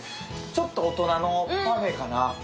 ちょっと大人のパフェかな。